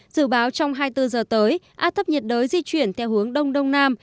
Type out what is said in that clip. dự báo trong hai mươi bốn giờ tới áp thấp nhiệt đới di chuyển theo hướng đông đông nam